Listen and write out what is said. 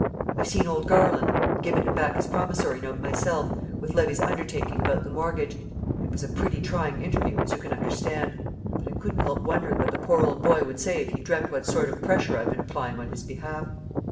I've seen old Garland and given him back his promissory note myself, with Levy's undertaking about the mortgage. It was a pretty trying interview, as you can understand; but I couldn't help wondering what the poor old boy would say if he dreamt what sort of pressure I've been applying on his behalf!